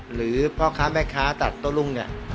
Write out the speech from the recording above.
หรือพ่อค้าแม่ค้าตัดโต้รุ่งเนี่ย